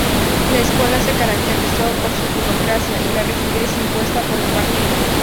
La escuela se caracterizó por su burocracia y la rigidez impuesta por el partido.